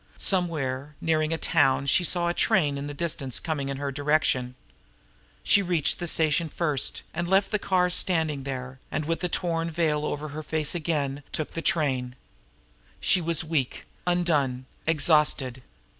Somewhere, nearing a town, she saw a train in the distance coming in her direction. She reached the station first, and left the car standing there, and, with the torn veil over her face again, took the train. She was weak, undone, exhausted.